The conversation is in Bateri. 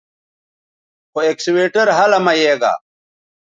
خو اکسویٹر ھلہ مہ یے گا